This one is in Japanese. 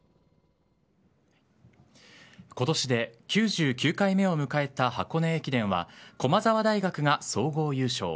今年で９９回目を迎えた箱根駅伝は駒澤大学が総合優勝。